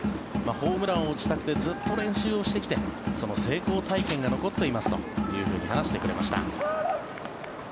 ホームランを打ちたくてずっと練習をしてきてその成功体験が残っていますというふうに話してくれました。